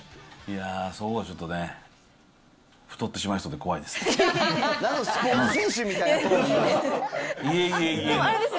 そこはちょっとね、太ってしまいそうで怖いです。